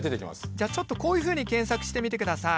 じゃあちょっとこういうふうに検索してみてください。